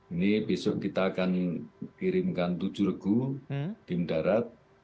ini besok kita akan kirimkan tujuh regu tim darat